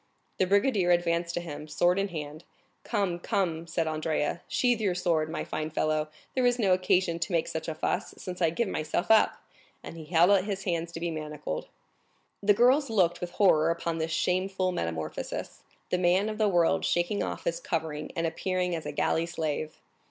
The brigadier advanced to him, sword in hand. "Come, come," said Andrea, "sheathe your sword, my fine fellow; there is no occasion to make such a fuss, since I give myself up;" and he held out his hands to be manacled. The two girls looked with horror upon this shameful metamorphosis, the man of the world shaking off his covering and appearing as a galley slave.